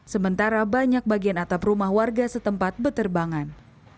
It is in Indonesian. sementara banyak bagian atap rumah warga setempat beterbangan